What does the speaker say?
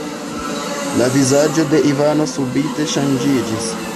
La vizaĝo de Ivano subite ŝanĝiĝis.